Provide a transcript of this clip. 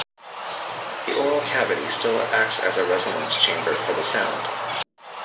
The oral cavity still acts as a resonance chamber for the sound.